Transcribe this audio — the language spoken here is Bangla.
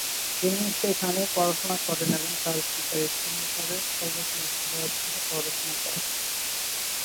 তিনি সেখানেই পড়াশুনা করেন এবং তার পিতার ইচ্ছানুসারে শল্যচিকিৎসক হওয়ার জন্য পড়াশুনা করেন।